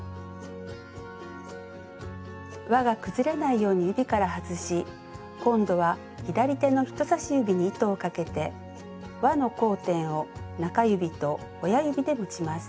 わが崩れないように指から外し今度は左手の人さし指に糸をかけてわの交点を中指と親指で持ちます。